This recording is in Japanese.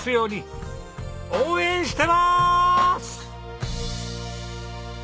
応援してます！